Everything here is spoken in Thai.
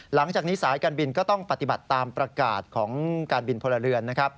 หลังจากนี้สายการบินก็ต้องปฏิบัติตามประกาศของการบินพลเรือนนะครับ